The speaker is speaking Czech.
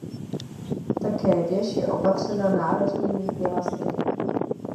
Také věž je opatřena nárožními pilastry.